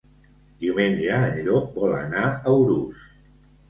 Diumenge en Llop vol anar a Urús.